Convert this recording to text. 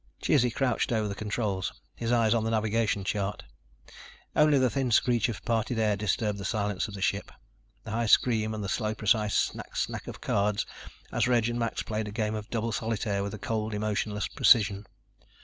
Chizzy crouched over the controls, his eyes on the navigation chart. Only the thin screech of parted air disturbed the silence of the ship. The high scream and the slow, precise snack snack of cards as Reg and Max played a game of double solitaire with a cold, emotionless precision.